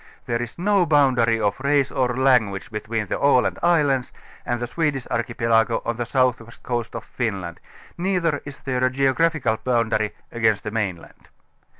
There is no boundary of race or language be tween the Aland islands and the Swedish archipelago on the southwest coast of Finland, neither is there a geographical boundary against the mainland.